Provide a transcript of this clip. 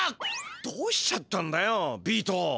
どうしちゃったんだよビート。